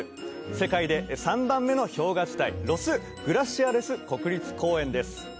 世界で３番目の氷河地帯ロス・グラシアレス国立公園です